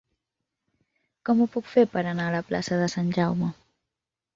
Com ho puc fer per anar a la plaça de Sant Jaume?